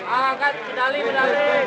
angkat pedali pedali